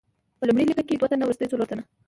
په لومړۍ لیکه کې دوه تنه، وروسته څلور تنه.